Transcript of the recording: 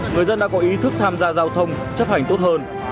người dân đã có ý thức tham gia giao thông chấp hành tốt hơn